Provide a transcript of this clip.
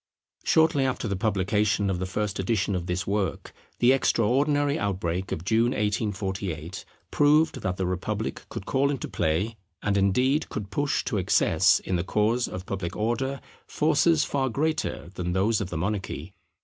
Shortly after the publication of the first edition of this work, the extraordinary outbreak of June, 1848, proved that the republic could call into play, and, indeed, could push to excess, in the cause of public Order, forces far greater than those of the monarchy.